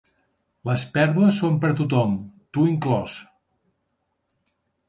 Les pèrdues són per a tothom, tu inclòs.